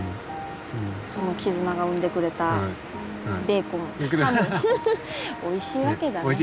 その絆が生んでくれたベーコンおいしいわけだね。